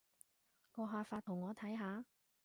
閣下發圖我睇下